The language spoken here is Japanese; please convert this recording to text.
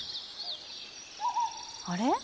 あれ？